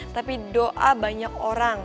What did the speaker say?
tapi doa banyak orang